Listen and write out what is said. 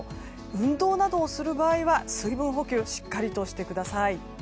運動などをする場合は水分補給をしっかりとしてください。